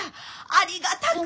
ありがたく！